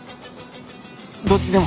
どっちでも。